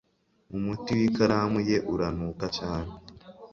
umuti w'ikaramu ye uranuka cyane